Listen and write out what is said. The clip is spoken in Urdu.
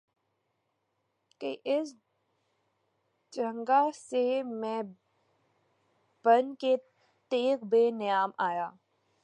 کہ اس جنگاہ سے میں بن کے تیغ بے نیام آیا